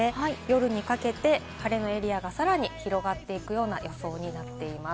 夜にかけて晴れのエリアがさらに広がっていくような予想になっています。